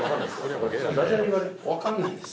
わからないです。